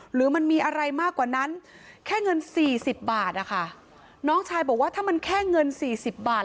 หรือมันมีอะไรมากกว่านั้นแค่เงิน๔๐บาทน้องชายบอกว่าถ้ามันแค่เงิน๔๐บาท